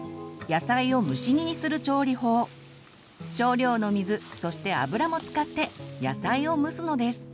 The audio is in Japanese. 少量の水そして油も使って野菜を蒸すのです。